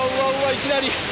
いきなり。